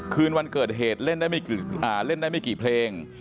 คืนวันเกิดเหตุเล่นได้ไม่กี่เพลง